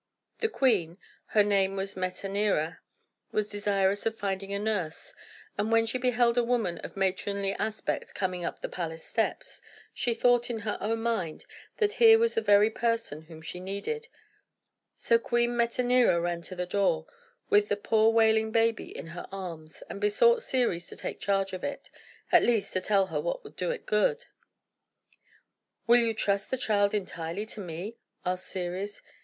The queen her name was Metanira was desirous of finding a nurse; and when she beheld a woman of matronly aspect coming up the palace steps, she thought, in her own mind, that here was the very person whom she needed. So Queen Metanira ran to the door, with the poor wailing baby in her arms, and besought Ceres to take charge of it, or, at least, to tell her what would do it good. "Will you trust the child entirely to me?" asked Ceres.